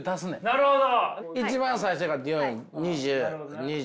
なるほど。